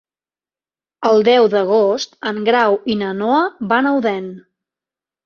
El deu d'agost en Grau i na Noa van a Odèn.